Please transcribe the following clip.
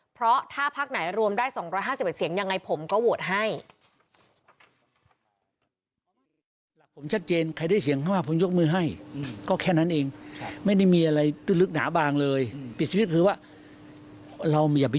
เพราะถ้าพักไหนรวมได้๒๕๑เสียงยังไงผมก็โหวตให้